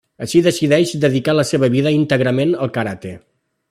Així decideix dedicar la seva vida íntegrament al karate.